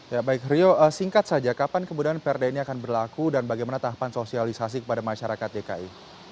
ya baik rio singkat saja kapan kemudian perda ini akan berlaku dan bagaimana tahapan sosialisasi kepada masyarakat dki